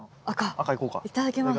赤いただきます。